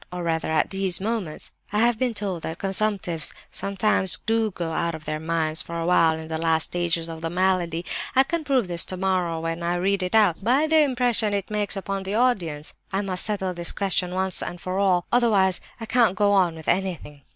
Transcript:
or rather at these moments? I have been told that consumptives sometimes do go out of their minds for a while in the last stages of the malady. I can prove this tomorrow when I read it out, by the impression it makes upon the audience. I must settle this question once and for all, otherwise I can't go on with anything.)